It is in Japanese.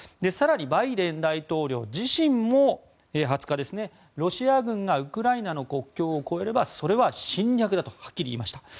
更にバイデン大統領自身も２０日、ロシア軍がウクライナの国境を越えればそれは侵略だとはっきり言いました。